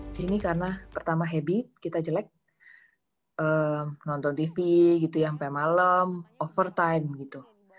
di sini karena pertama habit kita jelek nonton tv gitu ya sampai malam over time gitu